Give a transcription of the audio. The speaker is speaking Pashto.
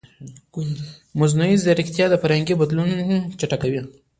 مصنوعي ځیرکتیا د فرهنګي بدلون چټکوي.